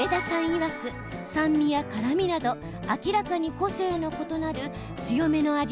いわく酸味や辛みなど明らかに個性の異なる強めの味